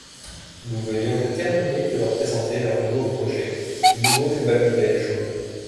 Nous venions de terminer de leur présenter leur nouveau projet, le nouveau Babybel Jaune.